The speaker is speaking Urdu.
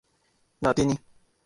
لاطینی